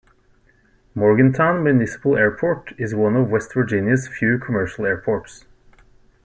Morgantown Municipal Airport is one of West Virginia's few commercial airports.